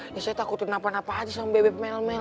ya saya takut tuh napa napa aja sama beb mel mel